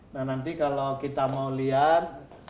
nah nanti kalau kita mau lihat